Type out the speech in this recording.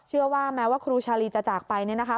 เชื่อว่าแม้ว่าครูชาลีจะจากไปเนี่ยนะคะ